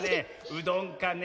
うどんかね